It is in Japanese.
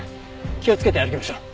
気をつけて歩きましょう。